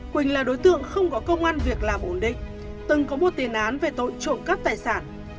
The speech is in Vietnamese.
quỳnh là đối tượng không có công an việc làm ổn định từng có một tiền án về tội trộm cắp tài sản